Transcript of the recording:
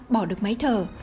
bỏ được máy thở